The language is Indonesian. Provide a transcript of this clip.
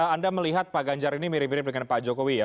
anda melihat pak ganjar ini mirip mirip dengan pak jokowi ya